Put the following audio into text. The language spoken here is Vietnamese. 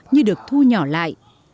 như được thu nhỏ lại